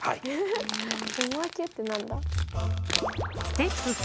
おまけって何だ？